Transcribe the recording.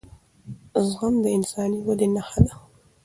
زغم د انساني ودې نښه ده